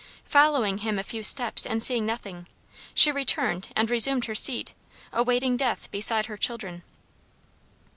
Following him a few steps and seeing nothing, she returned and resumed her seat, awaiting death beside her children.